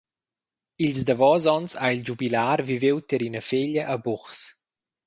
Ils davos onns ha il giubilar viviu tier ina feglia a Buchs.